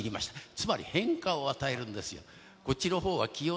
つまり、変化を与えるんですよ。